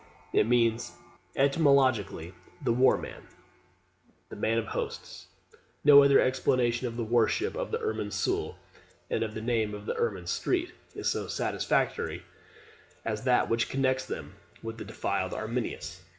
It means, etymologically, the "War man," the "man of hosts." No other explanation of the worship of the "Irmin sul," and of the name of the "Irmin street," is so satisfactory as that which connects them with the deified Arminius.